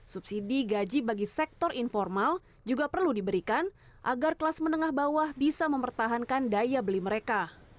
subsidi gaji bagi sektor informal juga perlu diberikan agar kelas menengah bawah bisa mempertahankan daya beli mereka